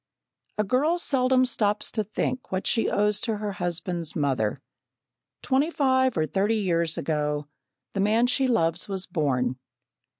A girl seldom stops to think what she owes to her husband's mother. Twenty five or thirty years ago, the man she loves was born.